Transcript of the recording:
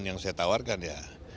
yang saya tawarkan ya